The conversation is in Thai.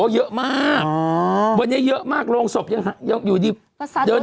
เยอะมากเยอะมากต้องหาลงศพยังอยู่จริง